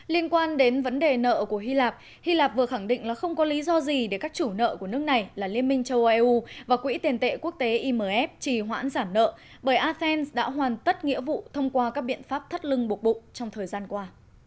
liên quan đến vấn đề nợ của hy lạp hy lạp vừa khẳng định là không có lý do gì để các chủ nợ của nước này là liên minh châu âu eu và quỹ tiền tệ quốc tế imf trì hoãn giảm nợ bởi asen đã hoàn tất nghĩa vụ thông qua các biện pháp thắt lưng buộc bụng trong thời gian qua